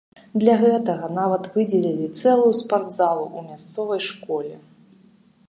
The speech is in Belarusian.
Для гэтага нават выдзелілі цэлую спартзалу ў мясцовай школе.